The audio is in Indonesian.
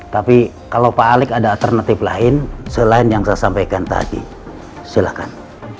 tapi kalau pak alex ada alternatif lain selain yang saya sampaikan tadi silahkan